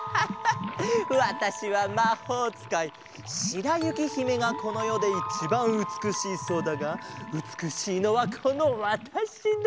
しらゆきひめがこのよでいちばんうつくしいそうだがうつくしいのはこのわたしだ。